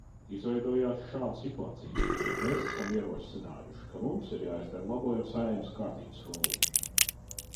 Izveidojās šāda situācija: mēs esam ierosinājuši, ka mums ir jāizdara labojumi Saeimas kārtības rullī.